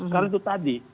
karena itu tadi